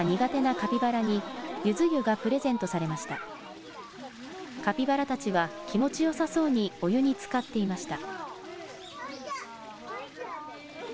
カピバラたちは気持ちよさそうにお湯につかっていました。